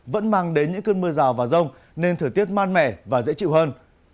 vẫn mang đến những cơn mưa rào và rông nên thời tiết mát mẻ và dễ chịu hơn